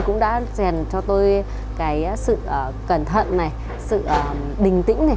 cũng đã dành cho tôi sự cẩn thận sự bình tĩnh